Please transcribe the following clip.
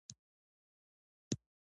د کاهو پاڼې د څه لپاره وکاروم؟